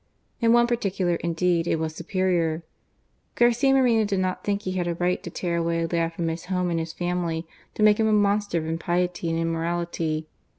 In one par ticular, indeed, it was superior. Garcia Moreno did not think he had a right to tear away a lad from his home and his family to make him a monster of impiety and immorality.